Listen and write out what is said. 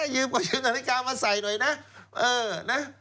ยืมกว่ายืมกระตุ้นกามาใส่หน่อยนะ